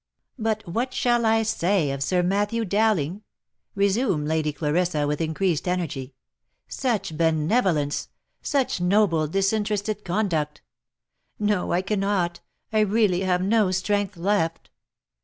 "But what shall I say of Sir Matthew Dowling?" resumed Lady Clarissa, with increased energy. " Such benevolence ! such noble, disinterested conduct !— No, I cannot — I really have no strength left.